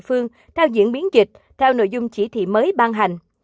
phương theo diễn biến dịch theo nội dung chỉ thị mới ban hành